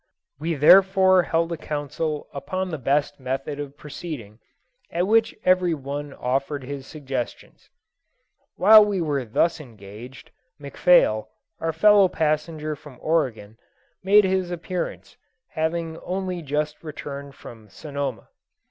We therefore held a council upon the best method of proceeding, at which every one offered his suggestions. While we were thus engaged, McPhail, our fellow passenger from Oregon, made his appearance, having only just then returned from Sonoma.